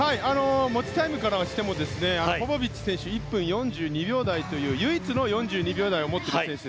持ちタイムからしてもポポビッチ選手は１分４２秒台という、唯一の４２秒台を持っている選手。